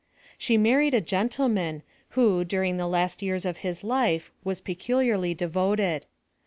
She mar ried a gentleman, who during the last years of his life was peculiarly devoted.